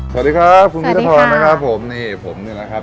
สวัสดีครับคุณพีชธรนะครับผมนี่นะครับ